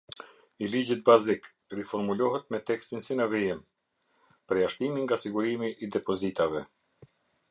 I ligjit bazik, riformulohet me tekstin si në vijim: Përjashtimi nga sigurimi i depozitave.